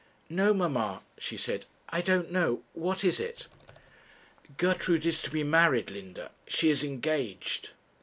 'No, mamma,' she said. 'I don't know what is it?' 'Gertrude is to be married, Linda. She is engaged.'